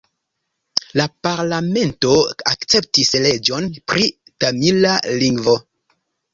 La parlamento akceptis leĝon pri tamila lingvo.